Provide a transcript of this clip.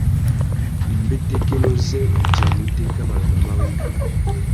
Mbétékénô zê udzanamú itéka manônōh má wenga.